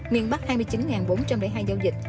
miền bắc hai mươi chín bốn trăm linh hai giao dịch